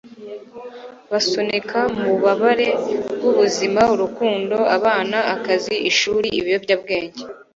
basunika mububabare bwubuzima, urukundo, abana, akazi, ishuri, ibiyobyabwenge